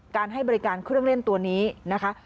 ให้บริการเครื่องเล่นตัวนี้นะคะ